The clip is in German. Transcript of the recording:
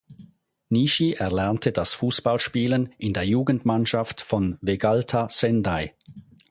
Nishi erlernte das Fußballspielen in der Jugendmannschaft von Vegalta Sendai.